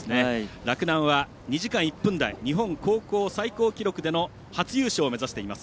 洛南は２時間１分台日本高校最高記録での初優勝を目指しています。